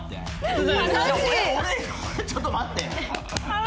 俺ちょっと待ってよ。